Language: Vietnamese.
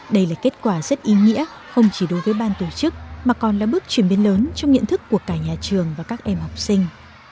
đây là kết quả rất ý nghĩa không chỉ đối với ban tổ chức mà còn là bước chuyển biến lớn trong nhận thức của cả nhà trường và các em học sinh